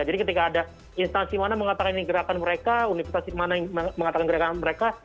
jadi ketika ada instansi mana mengatakan ini gerakan mereka universitas mana yang mengatakan gerakan mereka